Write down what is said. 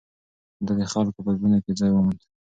ده د خلکو په زړونو کې ځای وموند.